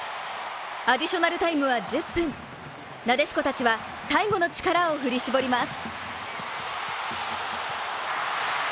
アディショナルタイムは１０分なでしこたちは、最後の力を振り絞ります！